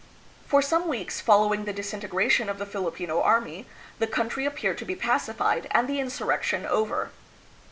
For some weeks following the disintegration of the Filipino army, the country appeared to be pacified and the insurrection over.